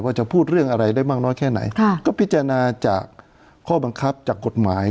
จะพูดเรื่องอะไรได้มากน้อยแค่ไหนค่ะก็พิจารณาจากข้อบังคับจากกฎหมาย